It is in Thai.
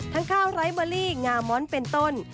ข้าวไร้เบอรี่งาม้อนเป็นต้น